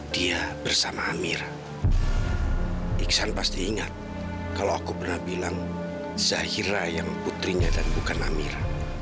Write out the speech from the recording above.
dia bersama amir iksan pasti ingat kalau aku pernah bilang zahira yang putrinya dan bukan amira